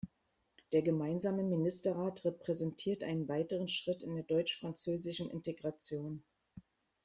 Der gemeinsame Ministerrat repräsentiert einen weiteren Schritt in der deutsch-französischen Integration.